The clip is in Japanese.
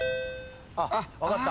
あっ分かった。